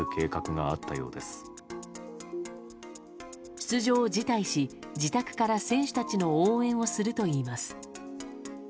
出場を辞退し自宅から選手たちの応援をするといいます。